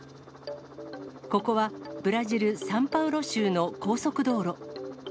ここはブラジル・サンパウロ州の高速道路。